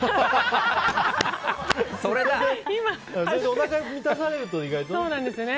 おなかが満たされると意外とね。